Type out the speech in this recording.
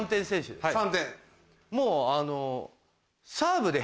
もうあの。